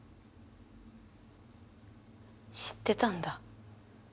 知ってたんだ。